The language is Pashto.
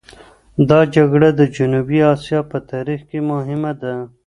دا جګړه د جنوبي اسیا په تاریخ کې مهمه ده.